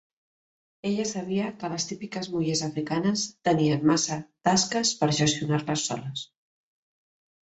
Ella sabia que les típiques mullers africanes tenien massa tasques per gestionar-les soles.